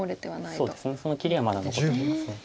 そうですねその切りはまだ残ってます。